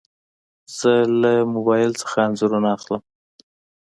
زه له موبایل نه انځورونه اخلم.